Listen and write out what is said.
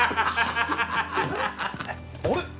あれ？